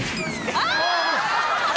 あっ！